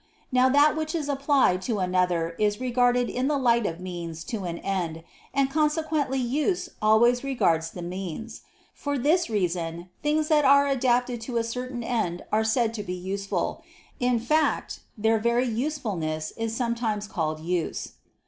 Now that which is applied to another is regarded in the light of means to an end; and consequently use always regards the means. For this reason things that are adapted to a certain end are said to be "useful"; in fact their very usefulness is sometimes called use.